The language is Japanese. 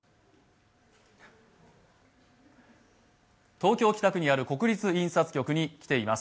東京・北区にある国立印刷局に来ています。